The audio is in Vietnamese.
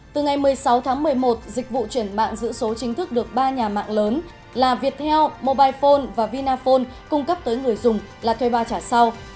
từ ngày một mươi sáu tháng một mươi một dịch vụ chuyển mạng giữ số chính thức được ba nhà mạng lớn là viettel mobile phone và vinaphone cung cấp tới người dùng là thuê bao trả sau